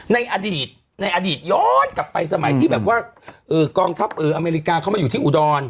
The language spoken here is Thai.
ในอดีตในอดีตย้อนกลับไปสมัยที่แบบว่ากองทัพอเมริกาเข้ามาอยู่ที่อุดร